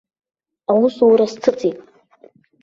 Аусура сҭыҵит.